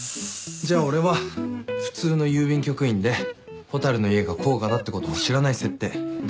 じゃあ俺は普通の郵便局員で蛍の家が甲賀だってことも知らない設定でいいんだよな？